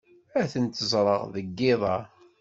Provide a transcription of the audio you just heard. Ad ten-ẓreɣ deg yiḍ-a.